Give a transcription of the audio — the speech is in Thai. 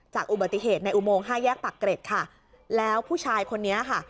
อุบัติเหตุในอุโมงห้าแยกปากเกร็ดค่ะแล้วผู้ชายคนนี้ค่ะ